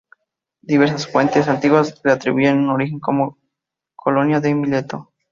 Diversas fuentes antiguas le atribuyen un origen como colonia de Mileto.